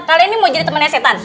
kali ini mau jadi temannya setan